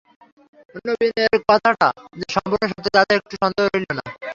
নবীনের কথাটা যে সম্পূর্ণ সত্য তাতে একটুও সন্দেহ রইল না।